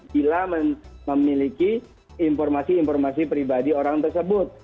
bila memiliki informasi informasi pribadi orang tersebut